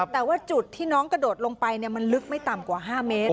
แต่ว่าจุดที่น้องกระโดดลงไปมันลึกไม่ต่ำกว่า๕เมตร